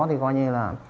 thì coi như là